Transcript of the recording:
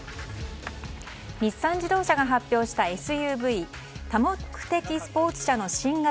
日産自動車が発表したＳＵＶ多目的スポーツ車の新型